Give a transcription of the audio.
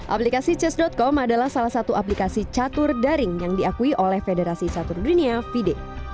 aplikasi chess com adalah salah satu aplikasi catur daring yang diakui oleh federasi catur dunia fide